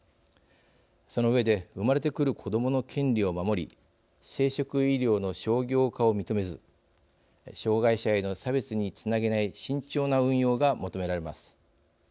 そのうえで生まれてくる子どもの権利を守り生殖医療の商業化を認めず障害者への差別につなげない慎重な運用が求められます。